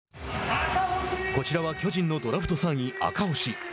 こちらは巨人のドラフト３位赤星。